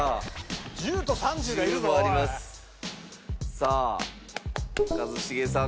さあ一茂さん